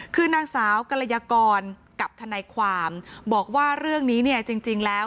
คือนางสาวกรยากรกับทนายความบอกว่าเรื่องนี้เนี่ยจริงแล้ว